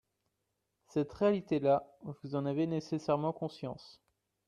Cette réalité-là, vous en avez nécessairement conscience.